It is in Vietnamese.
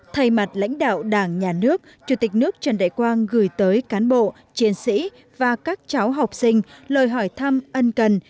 thay mặt lãnh đạo đảng nhà nước chủ tịch nước trần đại quang gửi tới cán bộ chiến sĩ và các cháu học sinh lời hỏi thăm ân cần